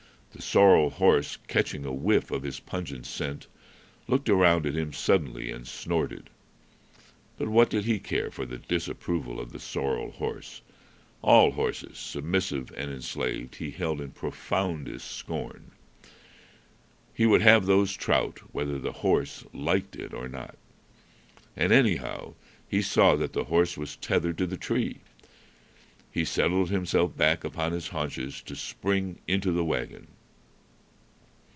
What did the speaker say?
The sorrel horse, catching a whiff of his pungent scent, looked around at him suddenly and snorted. But what did he care for the disapproval of the sorrel horse? All horses, submissive and enslaved, he held in profoundest scorn. He would have those trout, whether the horse liked it or not. And, anyhow, he saw that the horse was tethered to the tree. He settled himself back upon his haunches to spring into the wagon.